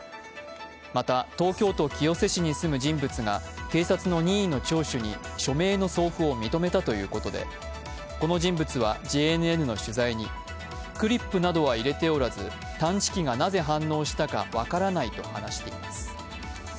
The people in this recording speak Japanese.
また東京都清瀬市に住む人物が警察の任意の聴取に署名の送付を認めたということでこの人物はＪＮＮの取材にクリップなどは入れておらず探知機がなぜ反応したか分からないと話しています。